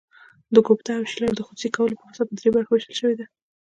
د ګوپټا او شیلر د خصوصي کولو پروسه په درې برخو ویشل شوې ده.